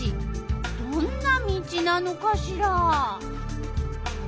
どんな道なのかしら？